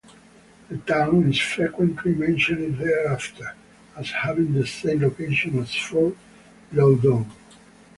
The town is frequently mentioned thereafter as having the same location as Fort Loudoun.